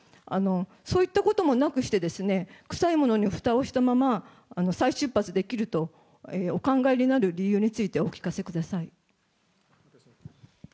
そういったこともなくして、臭いものにはふたをしたまま、再出発できるとお考えになる理由についてお聞かせください。